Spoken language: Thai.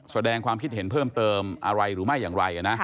แสดงความคิดเห็นเพิ่มเติมอะไรหรือไม่อย่างไรนะ